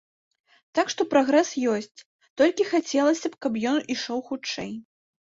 Так што прагрэс ёсць, толькі хацелася б, каб ён ішоў хутчэй.